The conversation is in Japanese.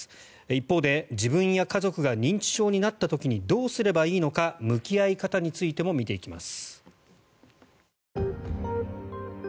一方で自分や家族が認知症になった時にどうすればいいのか向き合い方についても見ていきます。